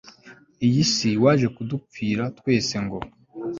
iyi si, waje kudupfira twese ngo